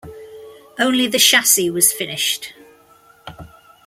Only the chassis was finished.